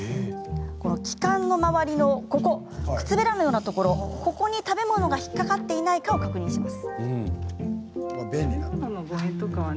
気管の周りの靴べらのようなところここに食べ物が引っ掛かっていないか確認します。